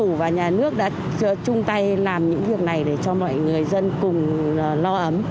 đảng và nhà nước đã chung tay làm những việc này để cho mọi người dân cùng lo ấm